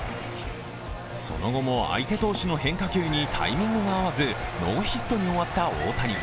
その後も相手投手の変化球にタイミングが合わず、ノーヒットに終わった大谷。